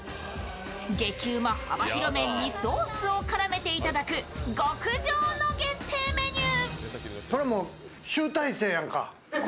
激うま幅広麺にソースを絡めていただく極上の限定メニュー。